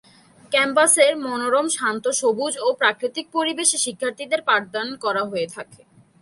ক্যাম্পাসের মনোরম, শান্ত, সবুজ ও প্রাকৃতিক পরিবেশে শিক্ষার্থীদের পাঠদান করা হয়ে থাকে।